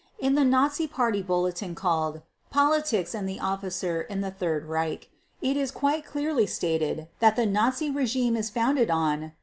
In the Nazi Party bulletin called "Politics and the Officer in the III Reich" it is quite clearly stated that the Nazi regime is founded on